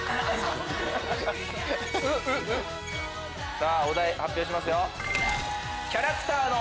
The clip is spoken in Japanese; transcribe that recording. さぁお題発表しますよ。